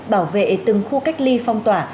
bảo vệ từng khu cách ly phong tỏa